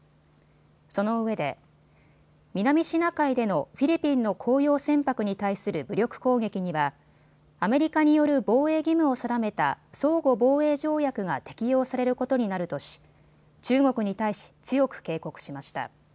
そのうえで南シナ海でのフィリピンの公用船舶に対する武力攻撃にはアメリカによる防衛義務を定めた相互防衛条約が適用されることになるとし中国に対し、強く警告しました。